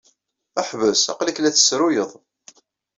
Ḥbes! Aql-ik la tt-tessruyeḍ.